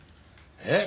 えっ？